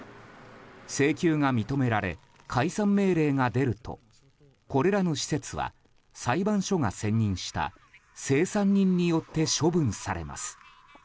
請求が認められ解散命令が出るとこれらの施設は裁判所が選任した清算人によって処分されます。